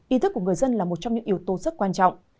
ý thức của người dân là một trong những yếu tố rất quan trọng